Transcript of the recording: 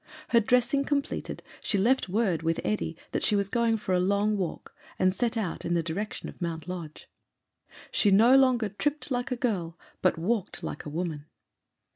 Her dressing completed, she left word with Edy that she was going for a long walk, and set out in the direction of Mount Lodge. She no longer tripped like a girl, but walked like a woman.